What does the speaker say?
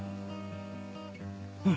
うん。